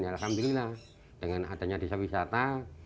alhamdulillah dengan adanya desa wisata